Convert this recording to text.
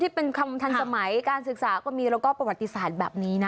เป็นคำทันสมัยการศึกษาก็มีแล้วก็ประวัติศาสตร์แบบนี้นะ